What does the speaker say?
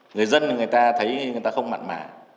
người dân người ta thấy người ta không mặn mà